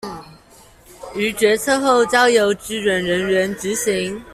於決策後交由支援人員執行